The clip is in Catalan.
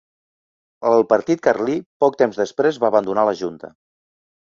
El Partit Carlí poc temps després va abandonar la Junta.